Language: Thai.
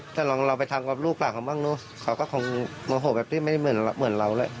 ถ้าเราไปทำกับลูกหลักของบ้างนู้นเขาก็คงโมโหกแบบนี้ไม่ได้เหมือนเราเหมือนเราเลย